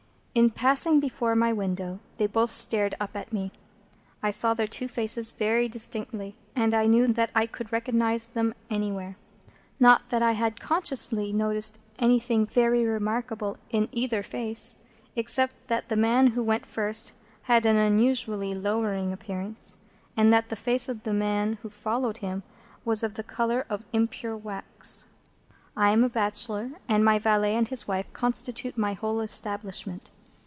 In passing before my windows, they both stared up at me. I saw their two faces very distinctly, and I knew that I could recognise them anywhere. Not that I had consciously noticed anything very remarkable in either face, except that the man who went first had an unusually lowering appearance, and that the face of the man who followed him was of the colour of impure wax. I am a bachelor, and my valet and his wife constitute my whole establishment.